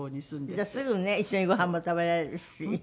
じゃあすぐね一緒にご飯も食べられるし。